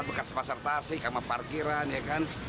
bekas pasar tasik sama parkiran ya kan